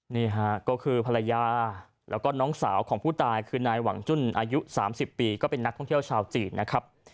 นี่ฮะก็คือภรรยาแล้วก็น้องสาวของผู้ตายคือนายหวังจุ้นอายุ๓๐ปีก็เป็นนักท่องเที่ยวชาวจีนนะครับ